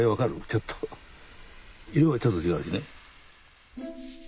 ちょっと色がちょっと違うよね。